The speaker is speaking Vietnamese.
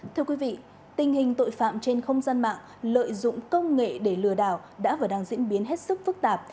thưa quý vị tình hình tội phạm trên không gian mạng lợi dụng công nghệ để lừa đảo đã và đang diễn biến hết sức phức tạp